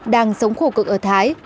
đang sống khổ cực ở thái